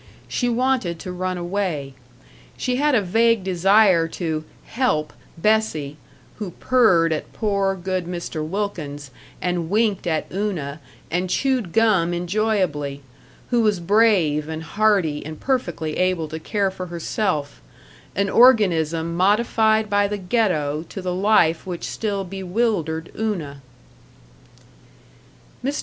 She wanted to run away. She had a vague desire to "help" Bessie, who purred at poor, good Mr. Wilkins and winked at Una and chewed gum enjoyably, who was brave and hardy and perfectly able to care for herself an organism modified by the Ghetto to the life which still bewildered Una. Mr.